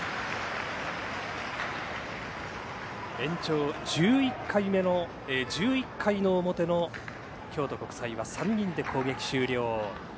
延長１１回の表の京都国際は３人で攻撃終了。